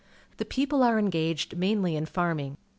The people are engaged mainly in farming.